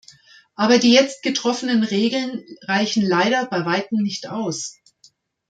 Aber die jetzt getroffenen Regeln reichen leider bei weitem nicht aus.